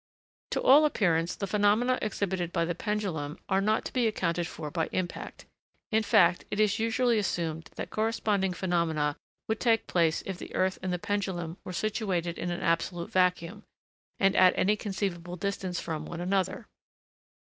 To all appearance, the phenomena exhibited by the pendulum are not to be accounted for by impact: in fact, it is usually assumed that corresponding phenomena would take place if the earth and the pendulum were situated in an absolute vacuum, and at any conceivable distance from, one another.